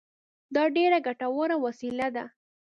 دا ډېره ګټوره وسیله وه